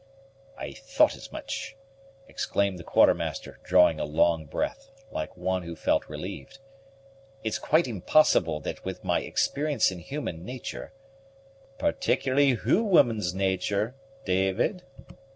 "I thought as much!" exclaimed the Quartermaster, drawing a long breath, like one who felt relieved; "it's quite impossible that with my experience in human nature " "Particularly hu woman's nature, David."